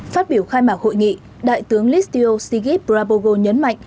phát biểu khai mạc hội nghị đại tướng listio lisic prabowo nhấn mạnh